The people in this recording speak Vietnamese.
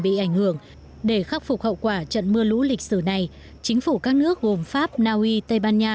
bị ảnh hưởng để khắc phục hậu quả trận mưa lũ lịch sử này chính phủ các nước gồm pháp naui tây ban nha